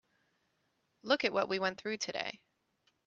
Look at what we went through today.